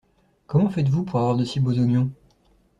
Comment faites-vous pour avoir de si beaux oignons?